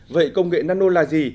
vậy công nghệ nano là gì